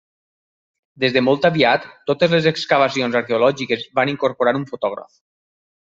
Des de molt aviat, totes les excavacions arqueològiques van incorporar un fotògraf.